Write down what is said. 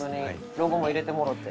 ロゴも入れてもろうて。